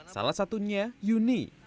salah satunya yuni